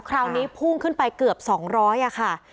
คราวนี้พุ่งขึ้นไปเกือบ๒๐๐ค่ะ